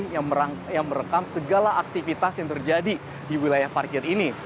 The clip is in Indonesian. yang merekam segala aktivitas yang terjadi di wilayah parkir ini